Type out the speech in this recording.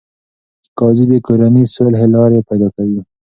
قاضي د کورني صلحې لارې پیدا کوي.